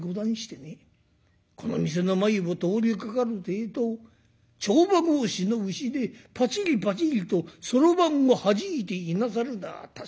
この店の前を通りかかるてえと帳場格子の内でパチリパチリとそろばんをはじいていなさるのは確かにお頭だ。